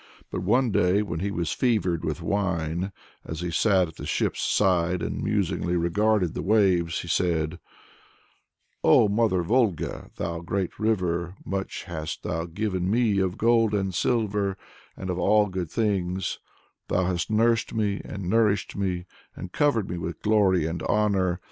But one day "when he was fevered with wine, as he sat at the ship's side and musingly regarded the waves, he said: 'Oh, Mother Volga, thou great river! much hast thou given me of gold and of silver, and of all good things; thou hast nursed me, and nourished me, and covered me with glory and honor.